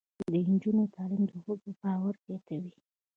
د نجونو تعلیم د ښځو باور زیاتوي.